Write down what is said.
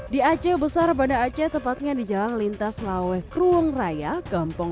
di aceh besar bandar aceh tepatnya di jalan lintas laueh cruong raya gampong